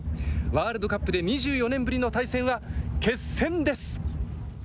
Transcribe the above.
ワールドカップで２４年ぶりの対戦は、決戦です。